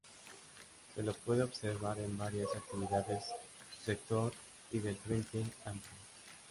Se lo puede observar en varias actividades su sector y del Frente Amplio.